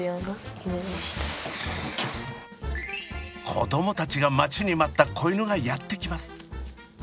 子どもたちが待ちに待った子犬がやって来ます。